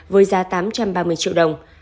với giá tám trăm ba mươi triệu đồng